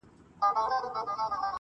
هره تېږه من نه ده -